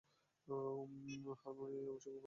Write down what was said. Hermione অবশ্য গোপনে রনের প্রতি আকৃষ্ট ছিল।